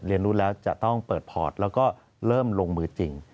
เรียนรู้แล้วจะต้องเปิดพอร์ตแล้วก็เริ่มลงมือจริง